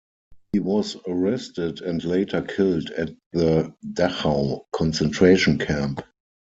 He was arrested and later killed at the Dachau concentration camp.